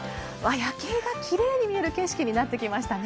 夜景がきれいに見える景色になってきましたね